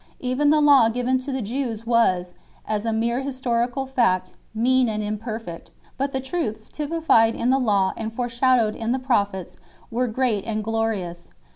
Even the Law given to the Jews was, as a mere historical fact, mean and imperfect, but the truths typified in the Law and foreshadowed in the Pro phets were great and glorious 5